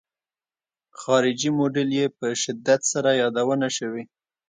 خارجي موډل یې په شدت سره یادونه شوې.